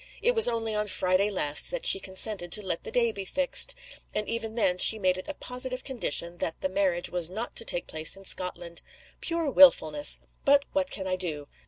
It was only on Friday last that she consented to let the day be fixed and even then she made it a positive condition that the marriage was not to take place in Scotland. Pure willfulness! But what can I do?